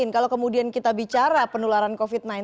kalau kemudian kita bicara penularan covid sembilan belas